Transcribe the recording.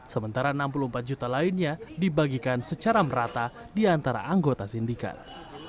sementara enam puluh empat juta lainnya dibagikan secara merata di antara anggota sindikat